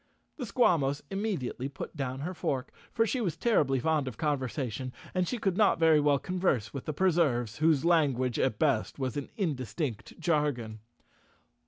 The Squawmos immediately put down her fork, for she was terribly fond of conversation, and she could not very well converse with the Preserves, whose language at best was an indistinct jargon.